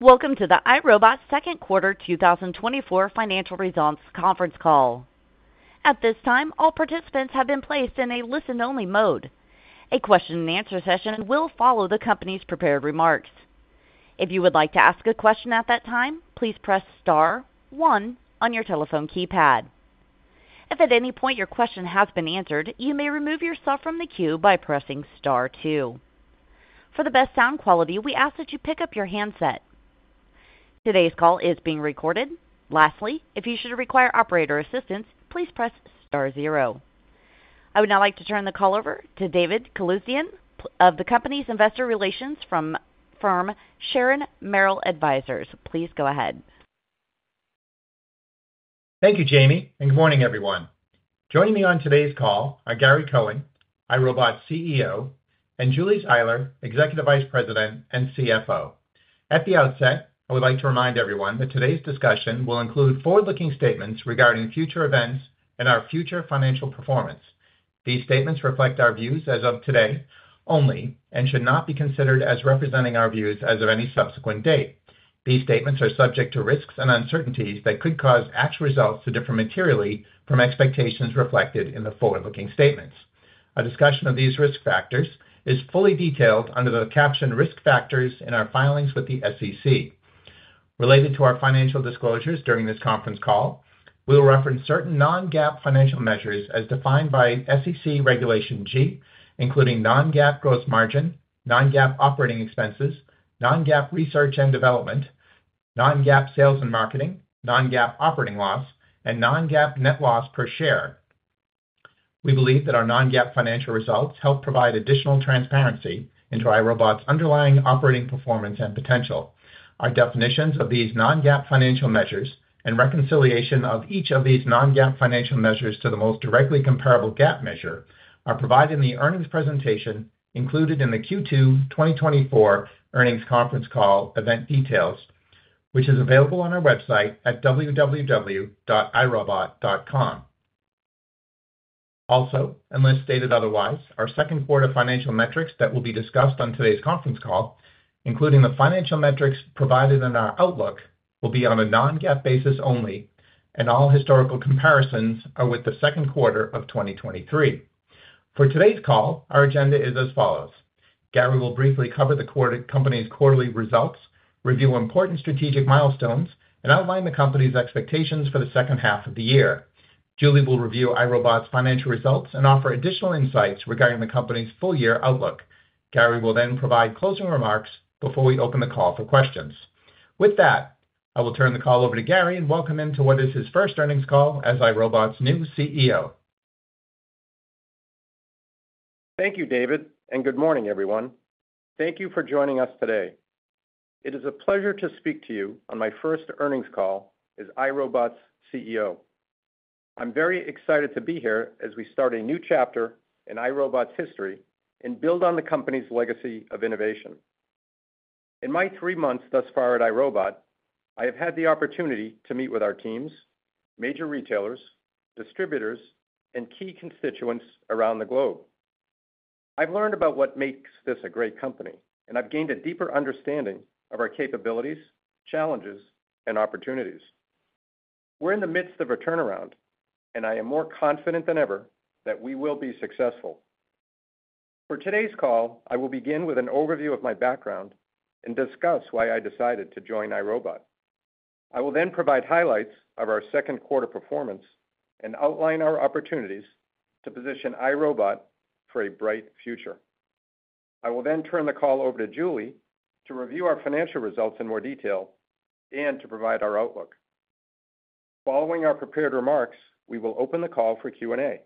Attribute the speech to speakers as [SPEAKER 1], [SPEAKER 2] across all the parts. [SPEAKER 1] Welcome to the iRobot Second Quarter 2024 Financial Results Conference Call. At this time, all participants have been placed in a listen-only mode. A question-and-answer session will follow the company's prepared remarks. If you would like to ask a question at that time, please press star one on your telephone keypad. If at any point your question has been answered, you may remove yourself from the queue by pressing star two. For the best sound quality, we ask that you pick up your handset. Today's call is being recorded. Lastly, if you should require operator assistance, please press star zero. I would now like to turn the call over to David Calusdian of the company's investor relations firm, Sharon Merrill Advisors. Please go ahead.
[SPEAKER 2] Thank you, Jamie, and good morning, everyone. Joining me on today's call are Gary Cohen, iRobot's CEO, and Julie Zeiler, Executive Vice President and CFO. At the outset, I would like to remind everyone that today's discussion will include forward-looking statements regarding future events and our future financial performance. These statements reflect our views as of today only, and should not be considered as representing our views as of any subsequent date. These statements are subject to risks and uncertainties that could cause actual results to differ materially from expectations reflected in the forward-looking statements. A discussion of these risk factors is fully detailed under the caption Risk Factors in our filings with the SEC. Related to our financial disclosures during this conference call, we will reference certain non-GAAP financial measures as defined by SEC Regulation G, including non-GAAP gross margin, non-GAAP operating expenses, non-GAAP research and development, non-GAAP sales and marketing, non-GAAP operating loss, and non-GAAP net loss per share. We believe that our non-GAAP financial results help provide additional transparency into iRobot's underlying operating performance and potential. Our definitions of these non-GAAP financial measures and reconciliation of each of these non-GAAP financial measures to the most directly comparable GAAP measure are provided in the earnings presentation included in the Q2 2024 earnings conference call event details, which is available on our website at www.iRobot.com. Also, unless stated otherwise, our second quarter financial metrics that will be discussed on today's conference call, including the financial metrics provided in our outlook, will be on a non-GAAP basis only, and all historical comparisons are with the second quarter of 2023. For today's call, our agenda is as follows: Gary will briefly cover the company's quarterly results, review important strategic milestones, and outline the company's expectations for the second half of the year. Julie will review iRobot's financial results and offer additional insights regarding the company's full-year outlook. Gary will then provide closing remarks before we open the call for questions. With that, I will turn the call over to Gary and welcome him to what is his first earnings call as iRobot's new CEO.
[SPEAKER 3] Thank you, David, and good morning, everyone. Thank you for joining us today. It is a pleasure to speak to you on my first earnings call as iRobot's CEO. I'm very excited to be here as we start a new chapter in iRobot's history and build on the company's legacy of innovation. In my three months thus far at iRobot, I have had the opportunity to meet with our teams, major retailers, distributors, and key constituents around the globe. I've learned about what makes this a great company, and I've gained a deeper understanding of our capabilities, challenges, and opportunities. We're in the midst of a turnaround, and I am more confident than ever that we will be successful. For today's call, I will begin with an overview of my background and discuss why I decided to join iRobot. I will then provide highlights of our second quarter performance and outline our opportunities to position iRobot for a bright future. I will then turn the call over to Julie to review our financial results in more detail and to provide our outlook. Following our prepared remarks, we will open the call for Q&A.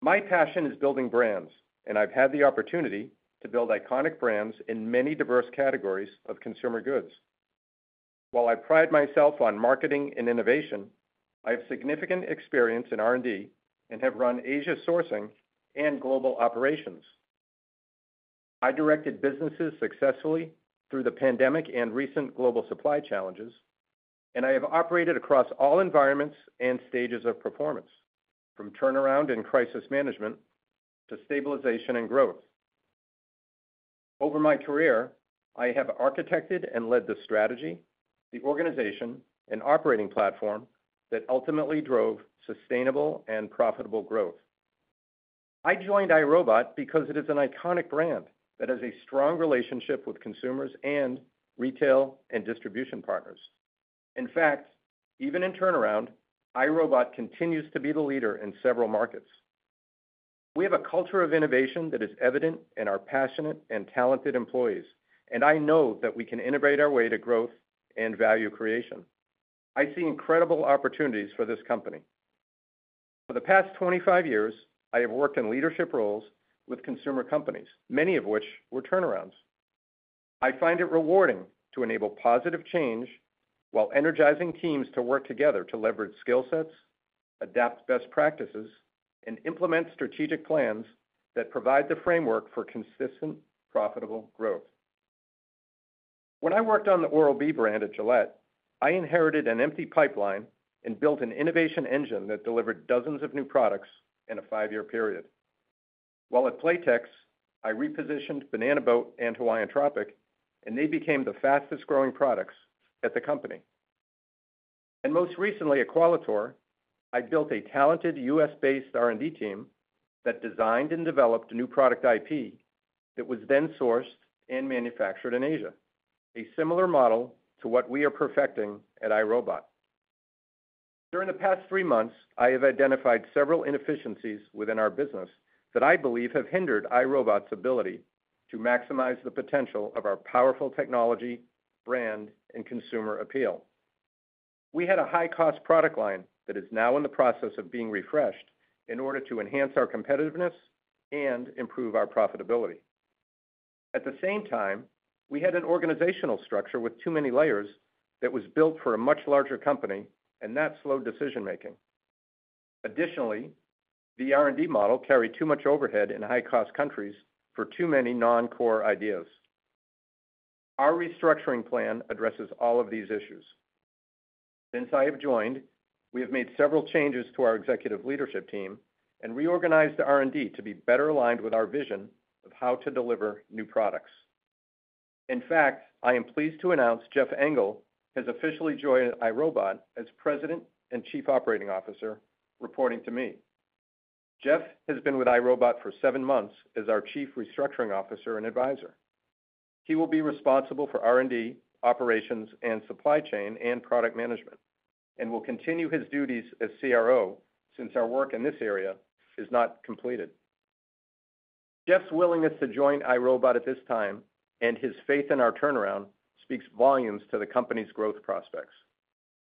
[SPEAKER 3] My passion is building brands, and I've had the opportunity to build iconic brands in many diverse categories of consumer goods. While I pride myself on marketing and innovation, I have significant experience in R&D and have run Asia sourcing and global operations. I directed businesses successfully through the pandemic and recent global supply challenges, and I have operated across all environments and stages of performance, from turnaround and crisis management to stabilization and growth. Over my career, I have architected and led the strategy, the organization, and operating platform that ultimately drove sustainable and profitable growth. I joined iRobot because it is an iconic brand that has a strong relationship with consumers and retail and distribution partners. In fact, even in turnaround, iRobot continues to be the leader in several markets. We have a culture of innovation that is evident in our passionate and talented employees, and I know that we can innovate our way to growth and value creation. I see incredible opportunities for this company. For the past 25 years, I have worked in leadership roles with consumer companies, many of which were turnarounds. I find it rewarding to enable positive change while energizing teams to work together to leverage skill sets, adapt best practices, and implement strategic plans that provide the framework for consistent, profitable growth. When I worked on the Oral-B brand at Gillette, I inherited an empty pipeline and built an innovation engine that delivered dozens of new products in a five-year period. While at Playtex, I repositioned Banana Boat and Hawaiian Tropic, and they became the fastest-growing products at the company. Most recently, at Qualitor, I built a talented U.S.-based R&D team that designed and developed a new product IP that was then sourced and manufactured in Asia, a similar model to what we are perfecting at iRobot. During the past three months, I have identified several inefficiencies within our business that I believe have hindered iRobot's ability to maximize the potential of our powerful technology, brand, and consumer appeal. We had a high-cost product line that is now in the process of being refreshed in order to enhance our competitiveness and improve our profitability. At the same time, we had an organizational structure with too many layers that was built for a much larger company, and that slowed decision-making. Additionally, the R&D model carried too much overhead in high-cost countries for too many non-core ideas. Our restructuring plan addresses all of these issues. Since I have joined, we have made several changes to our executive leadership team and reorganized R&D to be better aligned with our vision of how to deliver new products. In fact, I am pleased to announce Jeff Engel has officially joined iRobot as President and Chief Operating Officer, reporting to me. Jeff has been with iRobot for seven months as our Chief Restructuring Officer and advisor. He will be responsible for R&D, operations, and supply chain, and product management, and will continue his duties as CRO, since our work in this area is not completed. Jeff's willingness to join iRobot at this time and his faith in our turnaround speaks volumes to the company's growth prospects,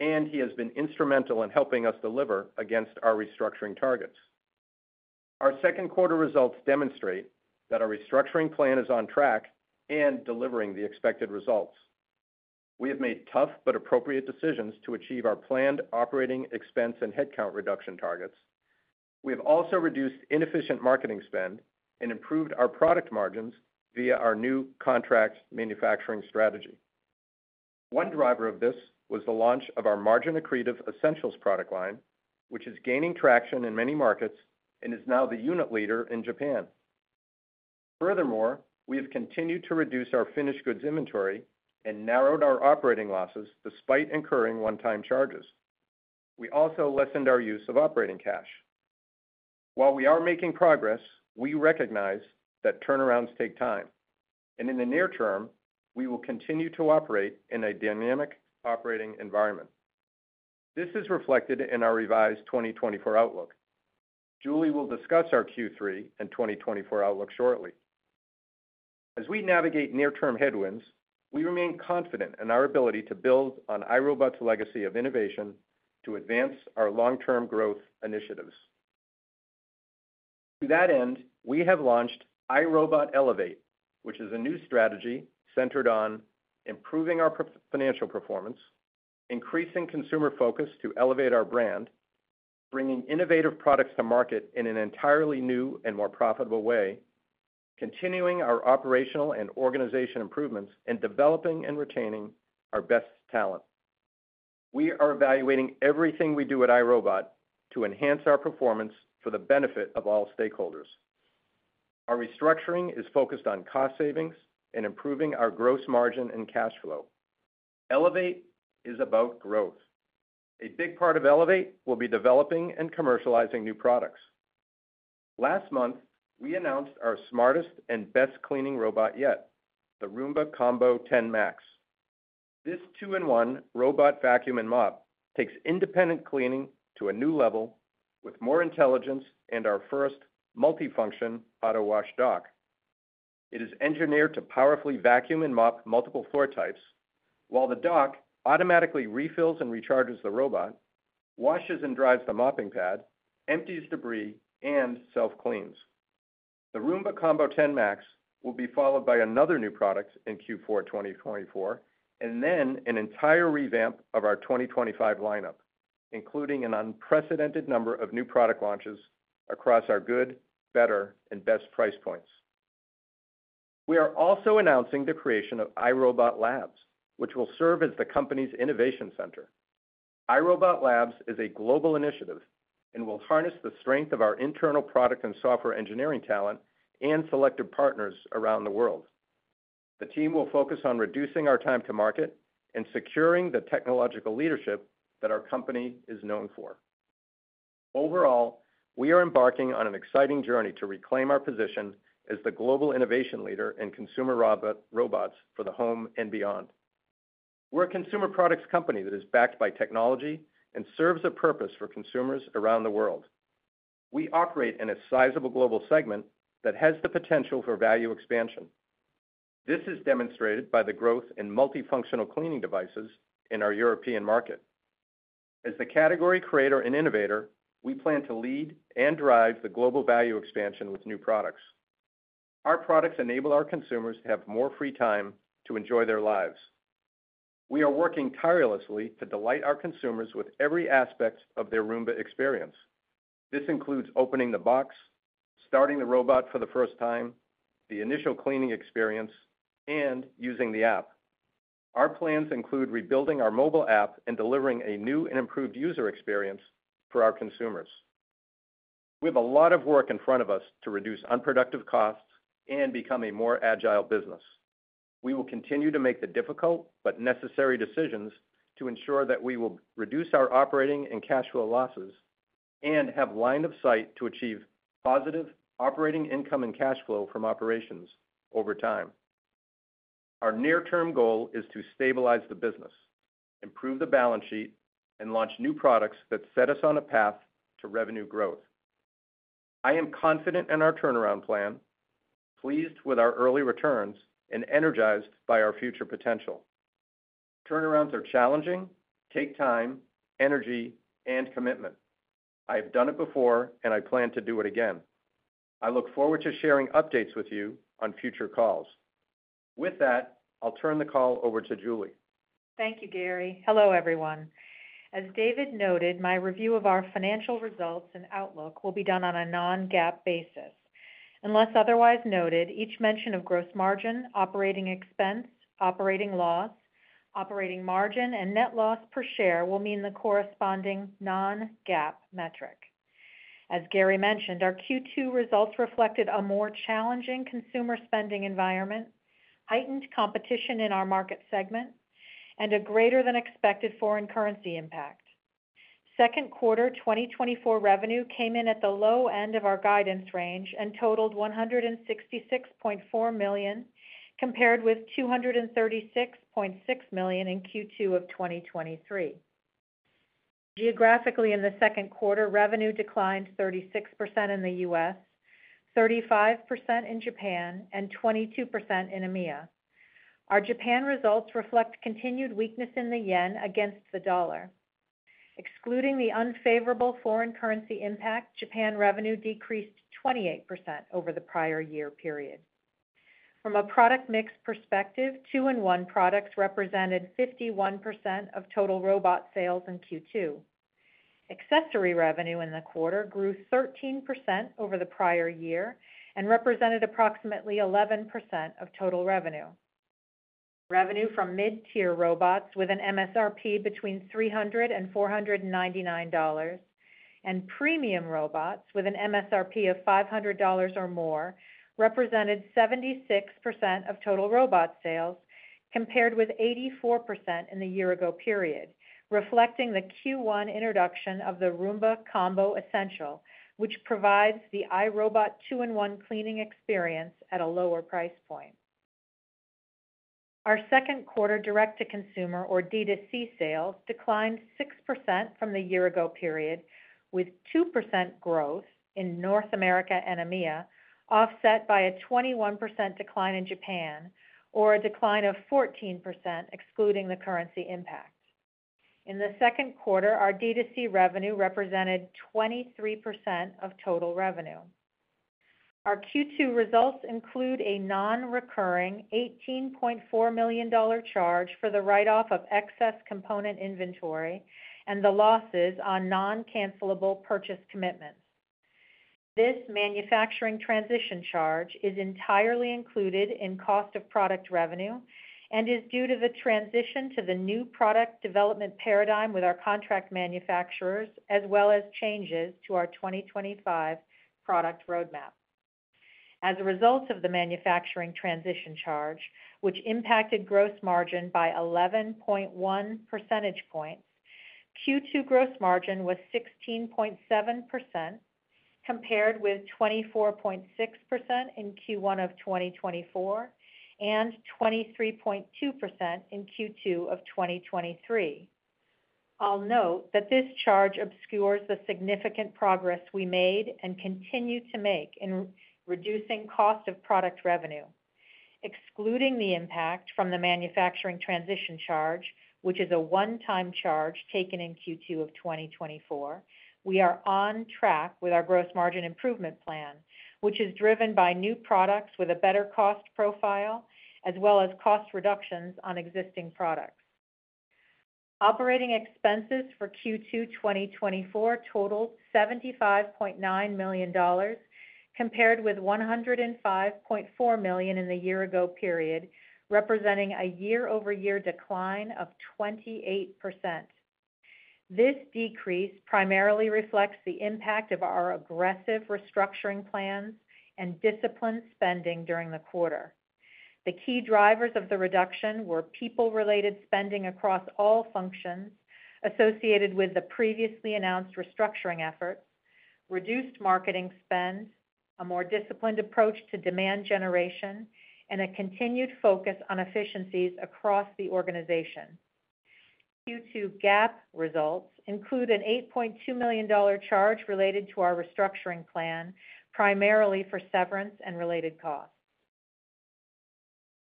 [SPEAKER 3] and he has been instrumental in helping us deliver against our restructuring targets. Our second quarter results demonstrate that our restructuring plan is on track and delivering the expected results. We have made tough but appropriate decisions to achieve our planned operating expense and headcount reduction targets. We have also reduced inefficient marketing spend and improved our product margins via our new contract manufacturing strategy. One driver of this was the launch of our margin-accretive Essentials product line, which is gaining traction in many markets and is now the unit leader in Japan. Furthermore, we have continued to reduce our finished goods inventory and narrowed our operating losses despite incurring one-time charges. We also lessened our use of operating cash. While we are making progress, we recognize that turnarounds take time, and in the near term, we will continue to operate in a dynamic operating environment. This is reflected in our revised 2024 outlook. Julie will discuss our Q3 and 2024 outlook shortly. As we navigate near-term headwinds, we remain confident in our ability to build on iRobot's legacy of innovation to advance our long-term growth initiatives. To that end, we have launched iRobot Elevate, which is a new strategy centered on improving our financial performance, increasing consumer focus to elevate our brand, bringing innovative products to market in an entirely new and more profitable way, continuing our operational and organization improvements, and developing and retaining our best talent. We are evaluating everything we do at iRobot to enhance our performance for the benefit of all stakeholders. Our restructuring is focused on cost savings and improving our gross margin and cash flow. Elevate is about growth. A big part of Elevate will be developing and commercializing new products. Last month, we announced our smartest and best cleaning robot yet, the Roomba Combo 10 Max. This two-in-one robot vacuum and mop takes independent cleaning to a new level with more intelligence and our first multifunction AutoWash Dock. It is engineered to powerfully vacuum and mop multiple floor types, while the dock automatically refills and recharges the robot, washes and dries the mopping pad, empties debris, and self-cleans. The Roomba Combo 10 Max will be followed by another new product in Q4 2024, and then an entire revamp of our 2025 lineup, including an unprecedented number of new product launches across our good, better, and best price points. We are also announcing the creation of iRobot Labs, which will serve as the company's innovation center. iRobot Labs is a global initiative and will harness the strength of our internal product and software engineering talent and selective partners around the world. The team will focus on reducing our time to market and securing the technological leadership that our company is known for. Overall, we are embarking on an exciting journey to reclaim our position as the global innovation leader in consumer robots for the home and beyond. We're a consumer products company that is backed by technology and serves a purpose for consumers around the world. We operate in a sizable global segment that has the potential for value expansion. This is demonstrated by the growth in multifunctional cleaning devices in our European market. As the category creator and innovator, we plan to lead and drive the global value expansion with new products. Our products enable our consumers to have more free time to enjoy their lives. We are working tirelessly to delight our consumers with every aspect of their Roomba experience. This includes opening the box, starting the robot for the first time, the initial cleaning experience, and using the app.... Our plans include rebuilding our mobile app and delivering a new and improved user experience for our consumers. We have a lot of work in front of us to reduce unproductive costs and become a more agile business. We will continue to make the difficult but necessary decisions to ensure that we will reduce our operating and cash flow losses and have line of sight to achieve positive operating income and cash flow from operations over time. Our near-term goal is to stabilize the business, improve the balance sheet, and launch new products that set us on a path to revenue growth. I am confident in our turnaround plan, pleased with our early returns, and energized by our future potential. Turnarounds are challenging, take time, energy, and commitment. I have done it before, and I plan to do it again. I look forward to sharing updates with you on future calls. With that, I'll turn the call over to Julie.
[SPEAKER 4] Thank you, Gary. Hello, everyone. As David noted, my review of our financial results and outlook will be done on a non-GAAP basis. Unless otherwise noted, each mention of gross margin, operating expense, operating loss, operating margin, and net loss per share will mean the corresponding non-GAAP metric. As Gary mentioned, our Q2 results reflected a more challenging consumer spending environment, heightened competition in our market segment, and a greater-than-expected foreign currency impact. Second quarter 2024 revenue came in at the low end of our guidance range and totaled $166.4 million, compared with $236.6 million in Q2 of 2023. Geographically, in the second quarter, revenue declined 36% in the U.S., 35% in Japan, and 22% in EMEA. Our Japan results reflect continued weakness in the yen against the dollar. Excluding the unfavorable foreign currency impact, Japan revenue decreased 28% over the prior year period. From a product mix perspective, two-in-one products represented 51% of total robot sales in Q2. Accessory revenue in the quarter grew 13% over the prior year and represented approximately 11% of total revenue. Revenue from mid-tier robots with an MSRP between $300-$499, and premium robots with an MSRP of $500 or more, represented 76% of total robot sales, compared with 84% in the year ago period, reflecting the Q1 introduction of the Roomba Combo Essential, which provides the iRobot two-in-one cleaning experience at a lower price point. Our second quarter direct-to-consumer, or D2C, sales declined 6% from the year ago period, with 2% growth in North America and EMEA, offset by a 21% decline in Japan, or a decline of 14%, excluding the currency impact. In the second quarter, our D2C revenue represented 23% of total revenue. Our Q2 results include a non-recurring $18.4 million charge for the write-off of excess component inventory and the losses on non-cancellable purchase commitments. This manufacturing transition charge is entirely included in cost of product revenue and is due to the transition to the new product development paradigm with our contract manufacturers, as well as changes to our 2025 product roadmap. As a result of the manufacturing transition charge, which impacted gross margin by 11.1 percentage points, Q2 gross margin was 16.7%, compared with 24.6% in Q1 of 2024 and 23.2% in Q2 of 2023. I'll note that this charge obscures the significant progress we made and continue to make in re-reducing cost of product revenue. Excluding the impact from the manufacturing transition charge, which is a one-time charge taken in Q2 of 2024, we are on track with our gross margin improvement plan, which is driven by new products with a better cost profile, as well as cost reductions on existing products. Operating expenses for Q2 2024 totaled $75.9 million, compared with $105.4 million in the year ago period, representing a year-over-year decline of 28%. This decrease primarily reflects the impact of our aggressive restructuring plans and disciplined spending during the quarter. The key drivers of the reduction were people-related spending across all functions associated with the previously announced restructuring efforts, reduced marketing spend, a more disciplined approach to demand generation, and a continued focus on efficiencies across the organization. Q2 GAAP results include an $8.2 million charge related to our restructuring plan, primarily for severance and related costs.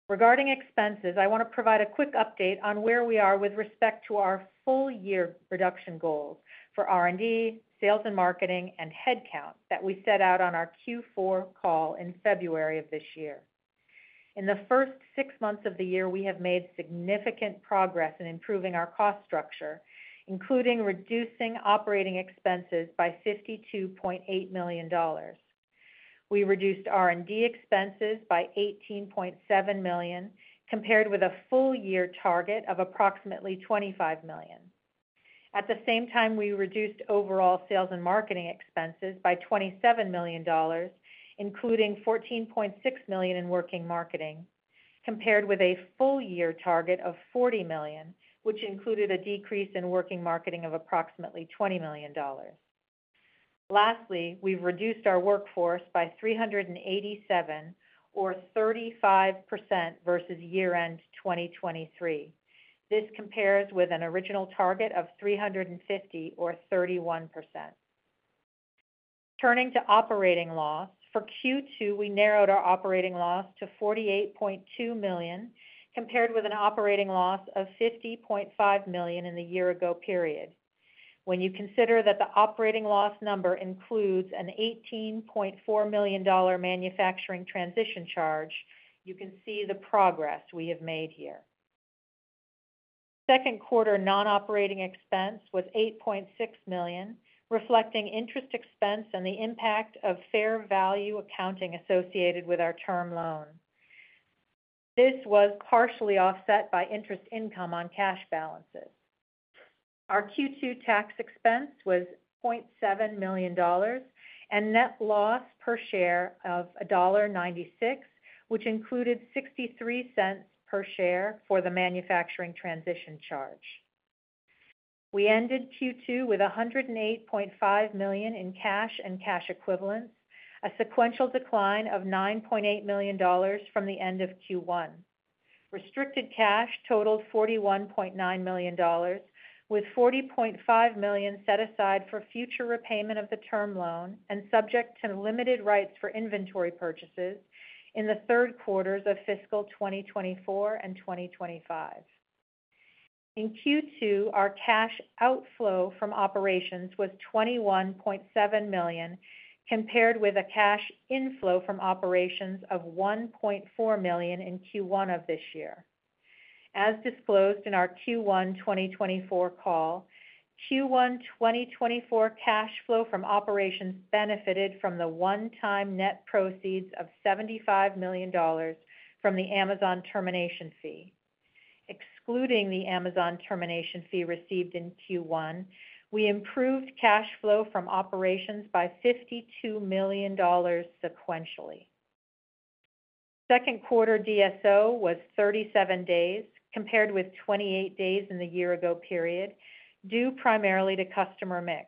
[SPEAKER 4] Regarding expenses, I want to provide a quick update on where we are with respect to our full year reduction goals for R&D, sales and marketing, and headcount that we set out on our Q4 call in February of this year. In the first six months of the year, we have made significant progress in improving our cost structure, including reducing operating expenses by $52.8 million. We reduced R&D expenses by $18.7 million, compared with a full year target of approximately $25 million. At the same time, we reduced overall sales and marketing expenses by $27 million, including $14.6 million in working marketing, compared with a full year target of $40 million, which included a decrease in working marketing of approximately $20 million. Lastly, we've reduced our workforce by 387 or 35% versus year-end 2023. This compares with an original target of 350 or 31%. Turning to operating loss. For Q2, we narrowed our operating loss to $48.2 million, compared with an operating loss of $50.5 million in the year ago period. When you consider that the operating loss number includes an $18.4 million manufacturing transition charge, you can see the progress we have made here. Second quarter non-operating expense was $8.6 million, reflecting interest expense and the impact of fair value accounting associated with our term loan. This was partially offset by interest income on cash balances. Our Q2 tax expense was $0.7 million, and net loss per share of $1.96, which included $0.63 per share for the manufacturing transition charge. We ended Q2 with $108.5 million in cash and cash equivalents, a sequential decline of $9.8 million from the end of Q1. Restricted cash totaled $41.9 million, with $40.5 million set aside for future repayment of the term loan and subject to limited rights for inventory purchases in the third quarters of fiscal 2024 and 2025. In Q2, our cash outflow from operations was $21.7 million, compared with a cash inflow from operations of $1.4 million in Q1 of this year. As disclosed in our Q1 2024 call, Q1 2024 cash flow from operations benefited from the one-time net proceeds of $75 million from the Amazon termination fee. Excluding the Amazon termination fee received in Q1, we improved cash flow from operations by $52 million sequentially. Second quarter DSO was 37 days, compared with 28 days in the year ago period, due primarily to customer mix.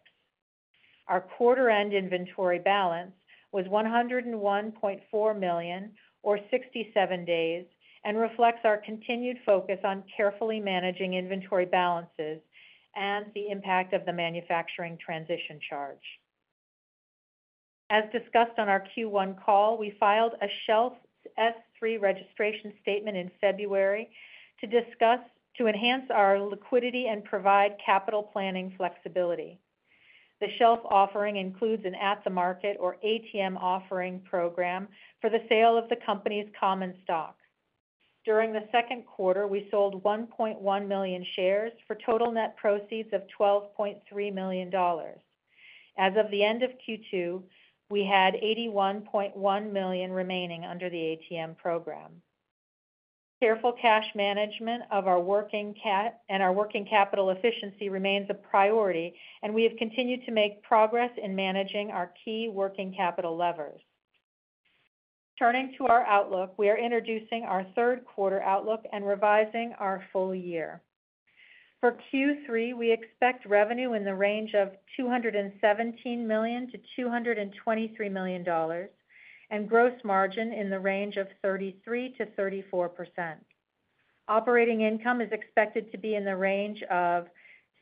[SPEAKER 4] Our quarter end inventory balance was $101.4 million or 67 days, and reflects our continued focus on carefully managing inventory balances and the impact of the manufacturing transition charge. As discussed on our Q1 call, we filed a shelf S-3 registration statement in February to enhance our liquidity and provide capital planning flexibility. The shelf offering includes an at-the-market or ATM offering program for the sale of the company's common stock. During the second quarter, we sold 1.1 million shares for total net proceeds of $12.3 million. As of the end of Q2, we had $81.1 million remaining under the ATM program. Careful cash management of our working and our working capital efficiency remains a priority, and we have continued to make progress in managing our key working capital levers. Turning to our outlook, we are introducing our third quarter outlook and revising our full year. For Q3, we expect revenue in the range of $217 million-$223 million, and gross margin in the range of 33%-34%. Operating income is expected to be in the range of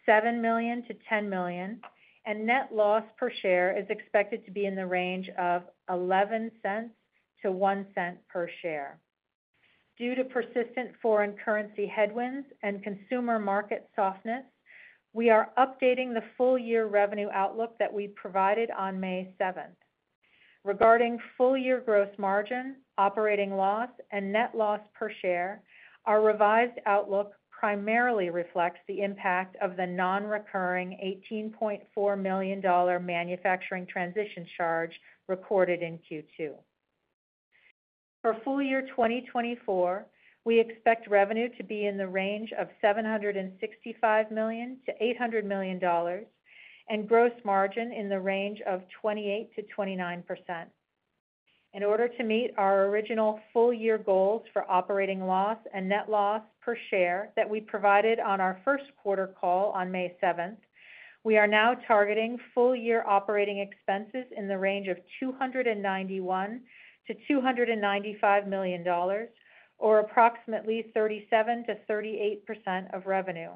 [SPEAKER 4] $7 million-$10 million, and net loss per share is expected to be in the range of $0.11-$0.01 per share. Due to persistent foreign currency headwinds and consumer market softness, we are updating the full year revenue outlook that we provided on May 7. Regarding full year gross margin, operating loss, and net loss per share, our revised outlook primarily reflects the impact of the non-recurring $18.4 million manufacturing transition charge recorded in Q2. For full year 2024, we expect revenue to be in the range of $765 million-$800 million, and gross margin in the range of 28%-29%. In order to meet our original full year goals for operating loss and net loss per share that we provided on our first quarter call on May seventh, we are now targeting full year operating expenses in the range of $291 million-$295 million or approximately 37%-38% of revenue.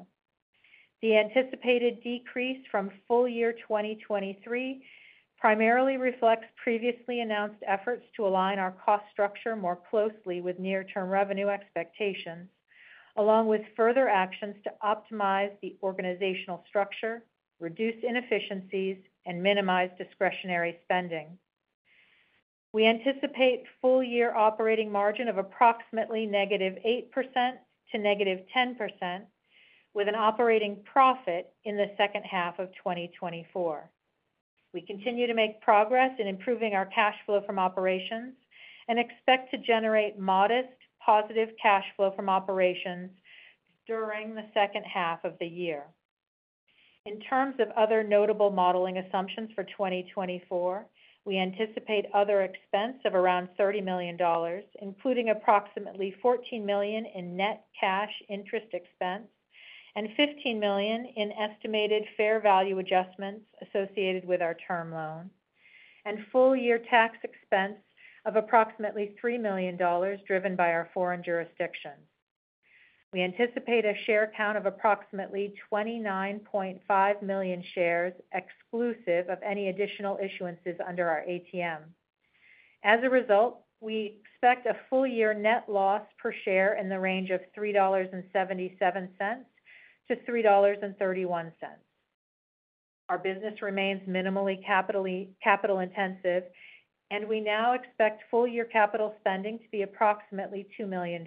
[SPEAKER 4] The anticipated decrease from full year 2023 primarily reflects previously announced efforts to align our cost structure more closely with near-term revenue expectations, along with further actions to optimize the organizational structure, reduce inefficiencies, and minimize discretionary spending. We anticipate full year operating margin of approximately -8% to -10%. with an operating profit in the second half of 2024. We continue to make progress in improving our cash flow from operations and expect to generate modest positive cash flow from operations during the second half of the year. In terms of other notable modeling assumptions for 2024, we anticipate other expense of around $30 million, including approximately $14 million in net cash interest expense and $15 million in estimated fair value adjustments associated with our term loan, and full year tax expense of approximately $3 million, driven by our foreign jurisdictions. We anticipate a share count of approximately 29.5 million shares, exclusive of any additional issuances under our ATM. As a result, we expect a full year net loss per share in the range of -$3.77 to -$3.31. Our business remains minimally capital intensive, and we now expect full-year capital spending to be approximately $2 million.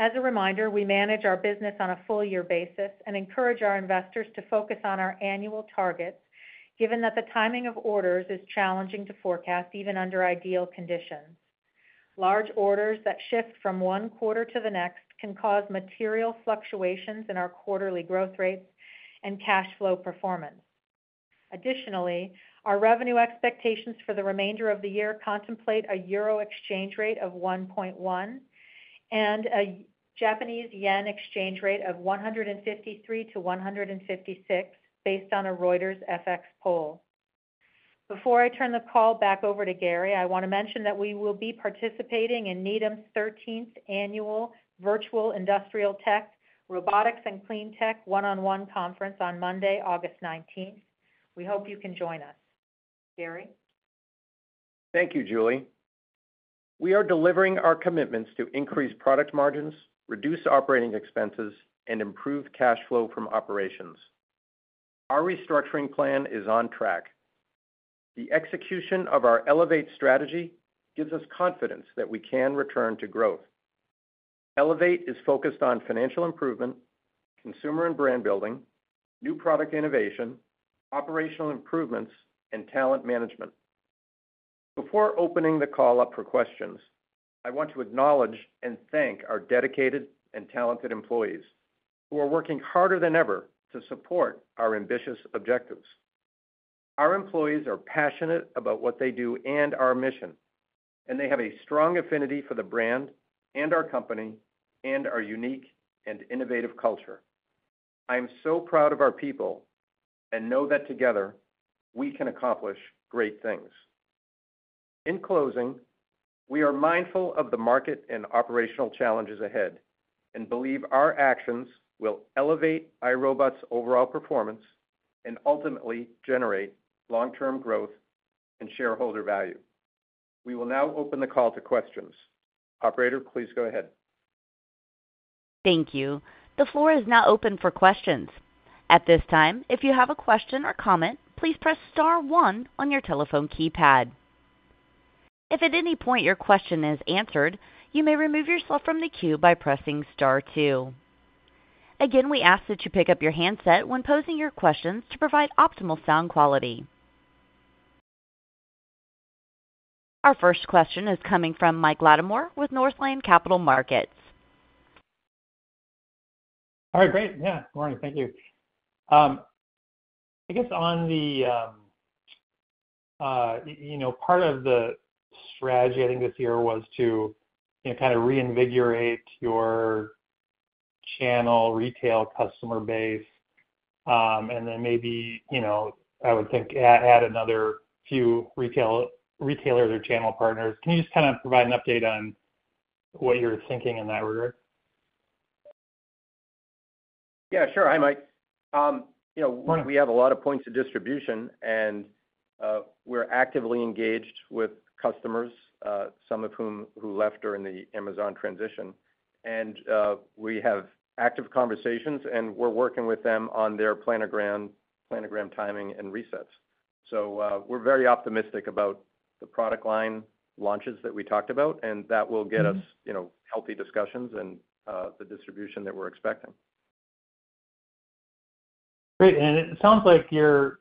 [SPEAKER 4] As a reminder, we manage our business on a full-year basis and encourage our investors to focus on our annual targets, given that the timing of orders is challenging to forecast, even under ideal conditions. Large orders that shift from one quarter to the next can cause material fluctuations in our quarterly growth rates and cash flow performance. Additionally, our revenue expectations for the remainder of the year contemplate a EUR 1.1 exchange rate and a JPY 153-JPY 156 exchange rate, based on a Reuters FX poll. Before I turn the call back over to Gary, I want to mention that we will be participating in Needham's 13th Annual Virtual Industrial Tech, Robotics & Clean Tech One-on-One Conference on Monday, August 19. We hope you can join us. Gary?
[SPEAKER 3] Thank you, Julie. We are delivering our commitments to increase product margins, reduce operating expenses, and improve cash flow from operations. Our restructuring plan is on track. The execution of our Elevate strategy gives us confidence that we can return to growth. Elevate is focused on financial improvement, consumer and brand building, new product innovation, operational improvements, and talent management. Before opening the call up for questions, I want to acknowledge and thank our dedicated and talented employees, who are working harder than ever to support our ambitious objectives. Our employees are passionate about what they do and our mission, and they have a strong affinity for the brand and our company and our unique and innovative culture. I am so proud of our people and know that together we can accomplish great things. In closing, we are mindful of the market and operational challenges ahead and believe our actions will elevate iRobot's overall performance and ultimately generate long-term growth and shareholder value. We will now open the call to questions. Operator, please go ahead.
[SPEAKER 1] Thank you. The floor is now open for questions. At this time, if you have a question or comment, please press star one on your telephone keypad. If at any point your question is answered, you may remove yourself from the queue by pressing star two. Again, we ask that you pick up your handset when posing your questions to provide optimal sound quality. Our first question is coming from Mike Latimore with Northland Capital Markets.
[SPEAKER 5] All right, great. Yeah, morning. Thank you. I guess on the, you know, part of the strategy, I think, this year was to, you know, kind of reinvigorate your channel retail customer base, and then maybe, you know, I would think, add another few retailers or channel partners. Can you just kind of provide an update on what you're thinking in that regard?
[SPEAKER 3] Yeah, sure. Hi, Mike. You know, one, we have a lot of points of distribution, and we're actively engaged with customers, some of whom who left during the Amazon transition. And we have active conversations, and we're working with them on their planogram, planogram timing and resets. So, we're very optimistic about the product line launches that we talked about, and that will get us.
[SPEAKER 5] Mm-hmm.
[SPEAKER 3] You know, healthy discussions and, the distribution that we're expecting.
[SPEAKER 5] Great. And it sounds like you're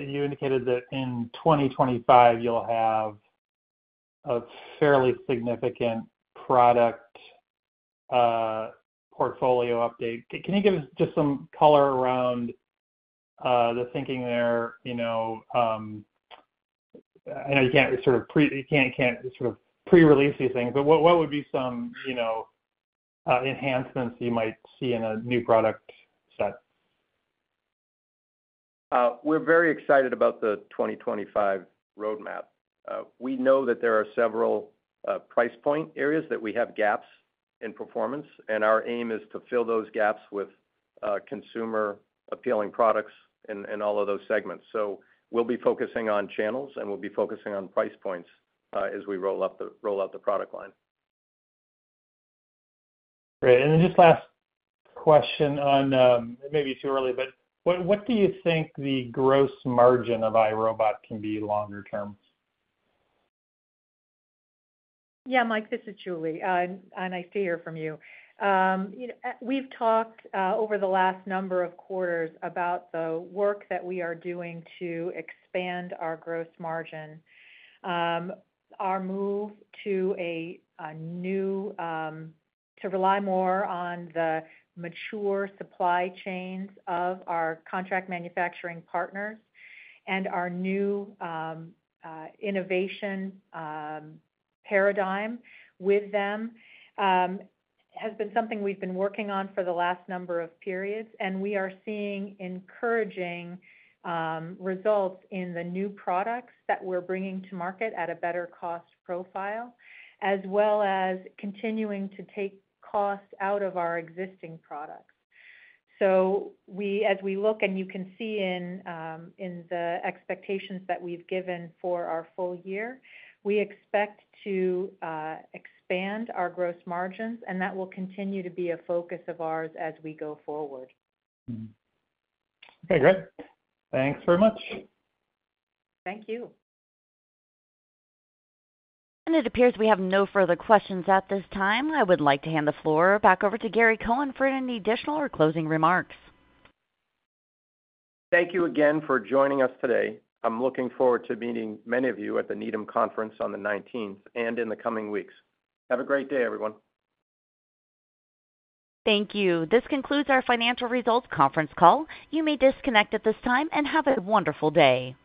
[SPEAKER 5] you indicated that in 2025, you'll have a fairly significant product portfolio update. Can you give us just some color around the thinking there? You know, I know you can't sort of pre-release these things, but what would be some, you know, enhancements you might see in a new product set?
[SPEAKER 3] We're very excited about the 2025 roadmap. We know that there are several price point areas that we have gaps in performance, and our aim is to fill those gaps with consumer-appealing products in all of those segments. So we'll be focusing on channels, and we'll be focusing on price points as we roll out the product line.
[SPEAKER 5] Great. And then just last question on, it may be too early, but what, what do you think the gross margin of iRobot can be longer term?
[SPEAKER 4] Yeah, Mike, this is Julie, and nice to hear from you. You know, we've talked over the last number of quarters about the work that we are doing to expand our gross margin. Our move to a new to rely more on the mature supply chains of our contract manufacturing partners and our new innovation paradigm with them has been something we've been working on for the last number of periods, and we are seeing encouraging results in the new products that we're bringing to market at a better cost profile, as well as continuing to take costs out of our existing products. So we as we look, and you can see in, in the expectations that we've given for our full year, we expect to expand our gross margins, and that will continue to be a focus of ours as we go forward.
[SPEAKER 5] Mm-hmm. Okay, great. Thanks very much.
[SPEAKER 4] Thank you.
[SPEAKER 1] It appears we have no further questions at this time. I would like to hand the floor back over to Gary Cohen for any additional or closing remarks.
[SPEAKER 3] Thank you again for joining us today. I'm looking forward to meeting many of you at the Needham Conference on the nineteenth and in the coming weeks. Have a great day, everyone.
[SPEAKER 1] Thank you. This concludes our financial results conference call. You may disconnect at this time, and have a wonderful day.